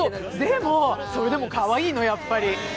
それでもかわいいの、やっぱり。